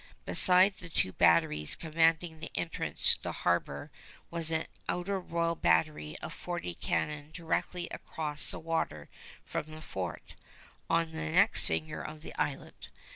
Besides the two batteries commanding the entrance to the harbor was an outer Royal Battery of forty cannon directly across the water from the fort, on the next finger of the island.